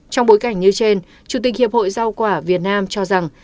trong bối cảnh như trên chủ tịch hiệp hội rau quả việt nam cho rằng